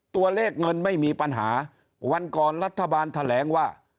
ตัวเลขเงินไม่มีปัญหาวันก่อนรัฐบาลแถลงว่า